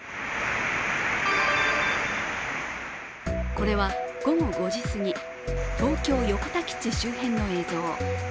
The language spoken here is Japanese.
これは午後５時すぎ、東京・横田基地周辺の映像。